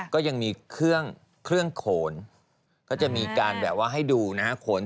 ก็ยังมีเครื่องโขนก็จะมีการให้ดูโขน